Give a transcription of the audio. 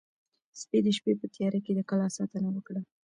سپي د شپې په تیاره کې د کلا ساتنه وکړه.